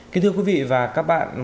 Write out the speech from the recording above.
kính thưa quý vị và các bạn